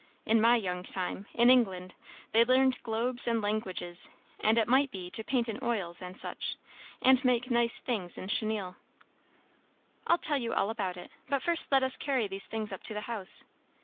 In my young time, in England, they learned globes and langwidges, and, it might be, to paint in oils and such, and make nice things in chenille." "I'll tell you all about it, but first let us carry these things up to the house.